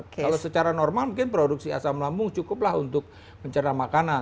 kalau secara normal mungkin produksi asam lambung cukup lah untuk pencernaan makanan